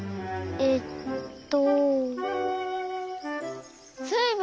えっと。